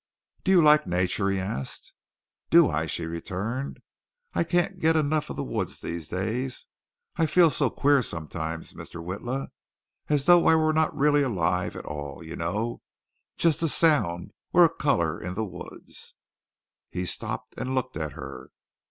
"Do you like nature?" he asked. "Do I?" she returned. "I can't get enough of the woods these days. I feel so queer sometimes, Mr. Witla. As though I were not really alive at all, you know. Just a sound, or a color in the woods." He stopped and looked at her.